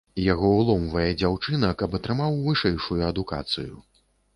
Яго ўломвае дзяўчына, каб атрымаў вышэйшую адукацыю.